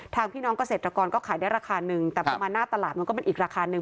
พี่น้องเกษตรกรก็ขายได้ราคานึงแต่พอมาหน้าตลาดมันก็เป็นอีกราคาหนึ่ง